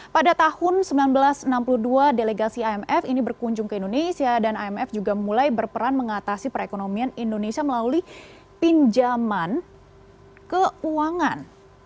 pada tahun seribu sembilan ratus enam puluh dua delegasi imf ini berkunjung ke indonesia dan imf juga mulai berperan mengatasi perekonomian indonesia melalui pinjaman keuangan